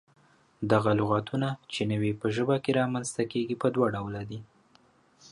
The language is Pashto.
دغه لغتونه چې نوي په ژبه کې رامنځته کيږي، پۀ دوله ډوله دي: